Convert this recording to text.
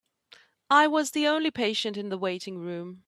I was the only patient in the waiting room.